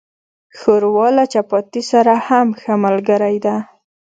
ښوروا له چپاتي سره هم ښه ملګری ده.